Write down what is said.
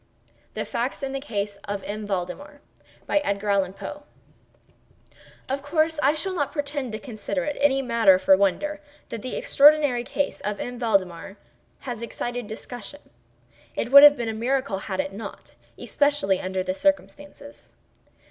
THE FACTS IN THE CASE OF M. VALDEMAR Of course I shall not pretend to consider it any matter for wonder, that the extraordinary case of M. Valdemar has excited discussion. It would have been a miracle had it not—especially under the circumstances.